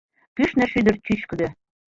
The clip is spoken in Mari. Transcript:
Кӱшнӧ шӱдыр чӱчкыдӧ